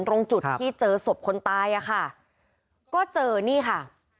ตรงจุดที่เจอศพคนตายอ่ะค่ะก็เจอนี่ค่ะ